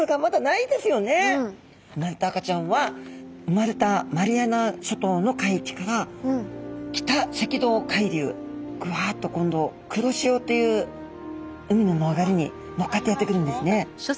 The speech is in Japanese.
なんと赤ちゃんは生まれたマリアナ諸島の海域から北赤道海流グワッと今度黒潮という海の流れに乗っかってやって来るんですね。